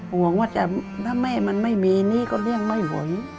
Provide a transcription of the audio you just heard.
ห่วงว่าถ้าแม่มันไม่มีนี่ก็เลี่ยงไม่ผล